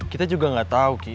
kita juga gak tau ki